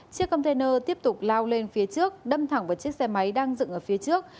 chiếc container tiếp tục lao lên phía trước đâm thẳng vào chiếc xe máy đang dựng ở phía trước